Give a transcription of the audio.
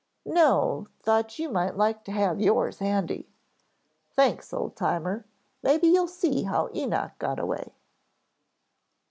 "No, thought you might like to have yours handy." "Thanks, Old Timer. Maybe you'll see how Enoch got away."